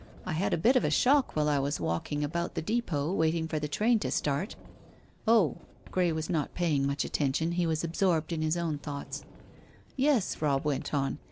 I had a bit of a shock while I was walking about the depôt waiting for the train to start." "Oh." Grey was not paying much attention; he was absorbed in his own thoughts. "Yes," Robb went on.